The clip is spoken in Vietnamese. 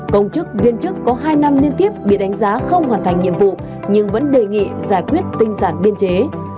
công chức viên chức có hai năm liên tiếp bị đánh giá không hoàn thành nhiệm vụ nhưng vẫn đề nghị giải quyết tinh giản biên chế